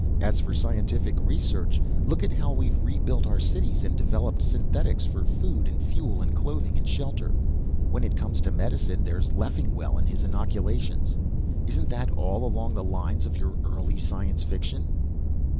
As for scientific research, look at how we've rebuilt our cities and developed synthetics for food and fuel and clothing and shelter. When it comes to medicine, there's Leffingwell and his inoculations. Isn't that all along the lines of your early science fiction?"